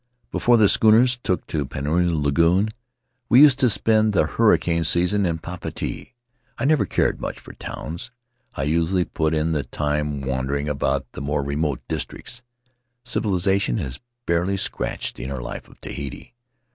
"Before the schooners took to Penrhyn Lagoon we used to spend the hurricane season in Papeete; I never cared much for towns; I usually put in the time wan dering about the more remote districts. Civilization has barely scratched the inner life of Tahiti.